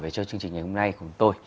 về cho chương trình ngày hôm nay cùng tôi